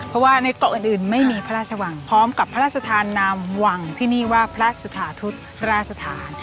เพราะว่าในเกาะอื่นไม่มีพระราชวังพร้อมกับพระราชทานนามวังที่นี่ว่าพระสุธาทุศราชธาน